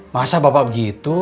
masa bapak begitu